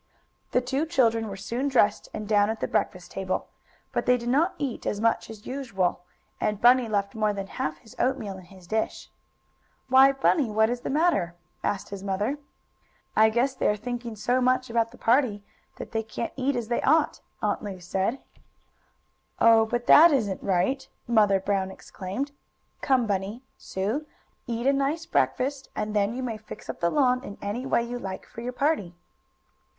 The two children were soon dressed, and down at the breakfast table. But they did not eat as much as usual, and Bunny left more than half his oatmeal in his dish. "Why, Bunny! What is the matter?" asked his mother. "I guess they are thinking so much about the party that they can't eat as they ought," Aunt Lu said. "Oh, but that isn't right!" Mother Brown exclaimed. "Come, Bunny Sue, eat a nice breakfast, and then you may fix up the lawn in any way you like for your party."